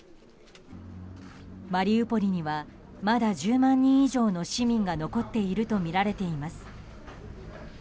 マリウポリにはまだ１０万人以上の市民が残っているとみられています。